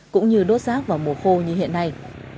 cũng như đốt rác vào mùa khô như hiện nay